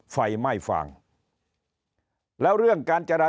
ไฟไหม้ฟาง